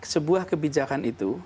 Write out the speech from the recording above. sebuah kebijakan itu